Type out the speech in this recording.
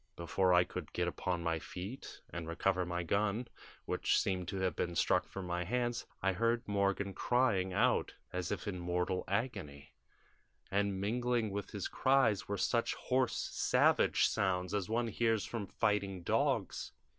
"Before I could get upon my feet and recover my gun, which seemed to have been struck from my hands, I heard Morgan crying out as if in mortal agony, and mingling with his cries were such hoarse savage sounds as one hears from fighting dogs.